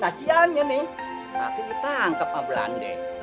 kasihan nya nih aki ditangkep sama belande